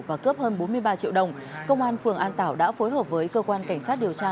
và cướp hơn bốn mươi ba triệu đồng công an phường an tảo đã phối hợp với cơ quan cảnh sát điều tra